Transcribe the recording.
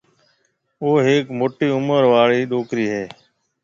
او هيڪ موٽِي عُمر آݪِي ڏوڪرِي هيَ۔